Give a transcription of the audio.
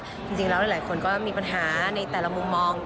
จริงแล้วหลายคนก็มีปัญหาในแต่ละมุมมอง